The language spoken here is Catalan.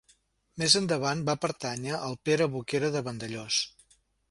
Més endavant va pertànyer al Pere Boquera de Vandellòs.